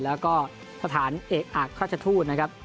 แล้วก็สถานเอกอักทราชทูต